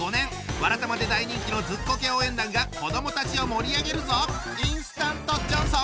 「わらたま」で大人気のずっこけ応援団が子どもたちを盛り上げるぞ！